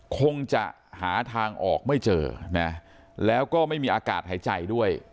คงจะหาทางออกไม่เจอนะแล้วก็ไม่มีอากาศหายใจด้วย